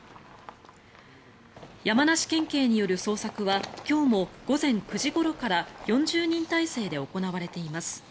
山梨県警による捜索は今日も午前９時ごろから４０人態勢で行われています。